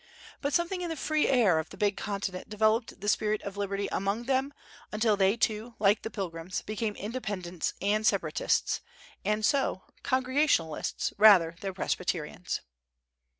But something in the free air of the big continent developed the spirit of liberty among them until they, too, like the Pilgrims, became Independents and Separatists, and so, Congregationalists rather than Presbyterians.